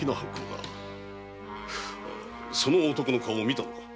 その男の顔を見たのか？